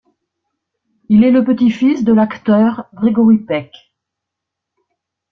Il est le petit-fils de l'acteur Gregory Peck.